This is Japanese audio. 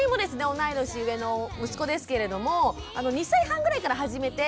同い年上の息子ですけれども２歳半ぐらいから始めて。